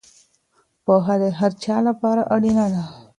پوهه د هر چا لپاره اړینه ده.